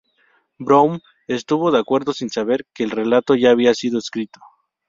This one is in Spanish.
Brown estuvo de acuerdo sin saber que el relato ya había sido escrito.